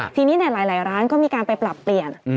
ทีนี้หลายร้านก็มีการไปปรับเปลี่ยน